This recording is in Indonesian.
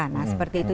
nah seperti itu